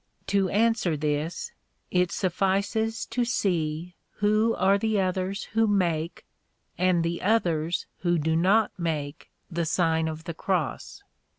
To answer this, it suffices to see who are the others who make, and the others who do not make the Sign of o the Cross.